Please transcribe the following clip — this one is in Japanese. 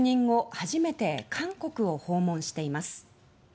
初めて韓国を訪問しています。